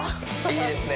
いいですね